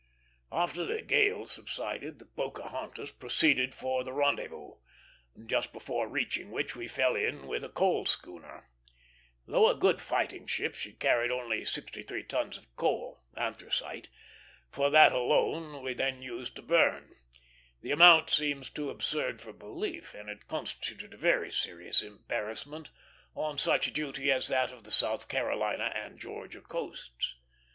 After the gale subsided, the Pocahontas proceeded for the rendezvous, just before reaching which we fell in with a coal schooner. Though a good fighting ship, she carried only sixty three tons of coal, anthracite; for that alone we then used to burn. The amount seems too absurd for belief, and it constituted a very serious embarrassment on such duty as that of the South Carolina and Georgia coasts.